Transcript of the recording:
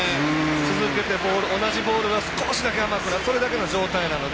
続けて同じボールが少しだけ甘くなってそれだけの状態なので。